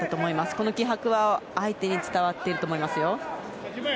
この気迫は相手に伝わっていると思います。